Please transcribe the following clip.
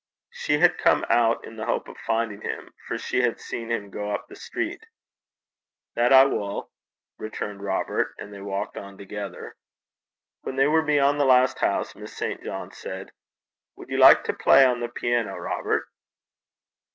She had come out in the hope of finding him, for she had seen him go up the street. 'That I wull,' returned Robert, and they walked on together. When they were beyond the last house, Miss St. John said, 'Would you like to play on the piano, Robert?'